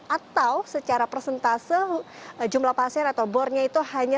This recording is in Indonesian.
atau secara persentase jumlah pasien atau bornya itu hanya